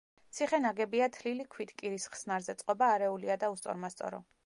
ციხე ნაგებია თლილი ქვით კირის ხსნარზე, წყობა არეულია და უსწორმასწორო.